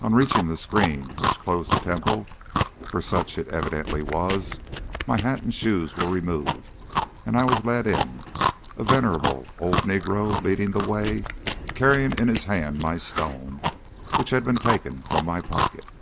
On reaching the screen which closed the temple for such it evidently was my hat and my shoes were removed, and I was then led in, a venerable old negro leading the way carrying in his hand my stone, which had been taken from my pocket.